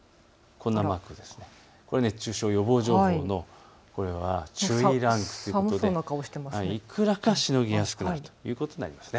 熱中症予防情報の注意ランク、いくらかしのぎやすくなるということになります。